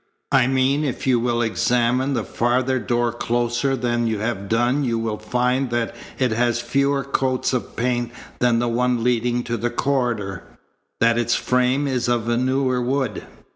I mean if you will examine the farther door closer than you have done you will find that it has fewer coats of paint than the one leading to the corridor, that its frame is of newer wood.